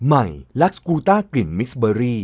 ใหม่ลักษกูต้ากลิ่นมิสเบอรี่